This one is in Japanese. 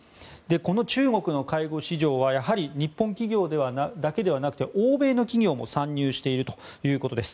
この中国の介護市場はやはり日本企業だけではなくて欧米の企業も参入しているということです。